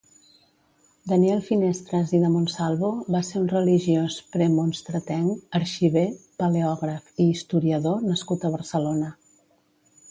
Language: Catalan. Daniel Finestres i de Monsalvo va ser un religiós premonstratenc, arxiver, paleògraf i historiador nascut a Barcelona.